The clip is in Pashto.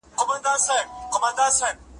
سازمانونه ولي د وګړو شخصي حریم ساتي؟